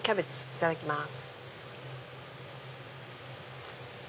いただきます。